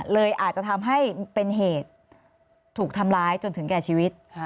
เลยอาจจะทำให้เป็นเหตุถูกทำร้ายจนถึงแก่ชีวิต